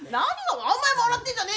お前も笑ってんじゃねえよ！